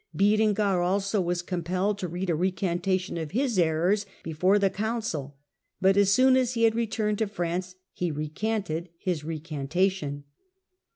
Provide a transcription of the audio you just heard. Berengar also was compelled to read a re cantation of his errors before the council, but as soon as he had returned to France he recanted his recanta tion.